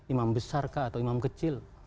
imam besar kah atau imam kecil